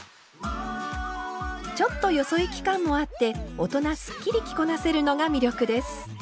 ちょっとよそ行き感もあって大人すっきり着こなせるのが魅力です。